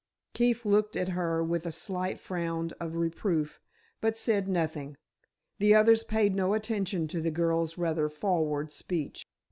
Keefe looked at her with a slight frown of reproof, but said nothing. The others paid no attention to the girl's rather forward speech.